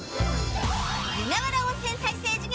湯河原温泉再生事業